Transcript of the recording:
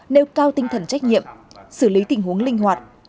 nêu cao tinh thần trách nhiệm xử lý tình huống linh hoạt